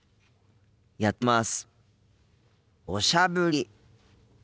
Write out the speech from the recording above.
やってみます。